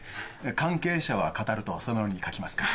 「関係者は語る」とそのように書きますから。